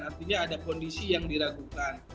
artinya ada kondisi yang diragukan